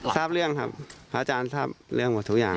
ทราบเรื่องครับพระอาจารย์ทราบเรื่องหมดทุกอย่าง